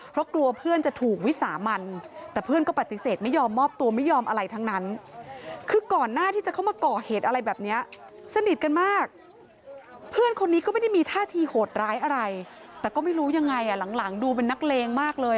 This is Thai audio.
เพราะกลัวเพื่อนจะถูกวิสามันแต่เพื่อนก็ปฏิเสธไม่ยอมมอบตัวไม่ยอมอะไรทั้งนั้น